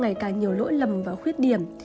ngày càng nhiều lỗi lầm và khuyết điểm